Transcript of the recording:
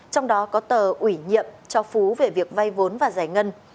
trong đó có tờ ủy nhiệm cho phú về việc vay vốn và giải ngân